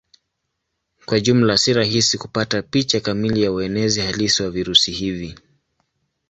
Kwa jumla si rahisi kupata picha kamili ya uenezi halisi wa virusi hivi.